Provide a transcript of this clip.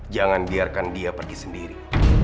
jangan biarkan dia pergi sendiri